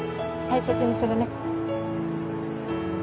大切にするね。